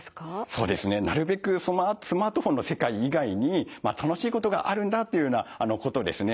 そうですねなるべくスマートフォンの世界以外に楽しいことがあるんだっていうようなことをですね